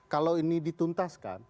kalau ini dituntaskan